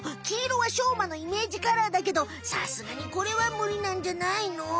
黄色はしょうまのイメージカラーだけどさすがにこれはムリなんじゃないの？